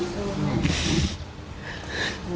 ใช่แม่